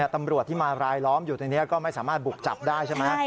ตำรวจที่มารายล้อมอยู่ตรงนี้ก็ไม่สามารถบุกจับได้ใช่ไหม